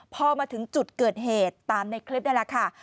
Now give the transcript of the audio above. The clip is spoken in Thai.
พอมาถึงจุดเกิดเหตุตามในคลิปนี่แหละค่ะ